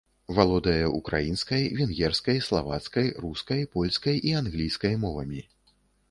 Валодае ўкраінскай, венгерскай, славацкай, рускай, польскай і англійскай мовамі.